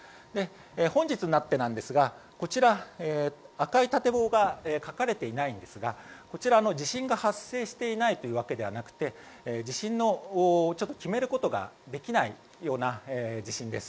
本日になってこちら、赤い縦棒が書かれていないんですがこちら、地震が発生していないというわけではなくて決めることができないような地震です。